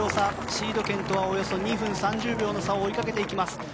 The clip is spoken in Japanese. シード権とはおよそ２分３０秒の差を追いかけていきます。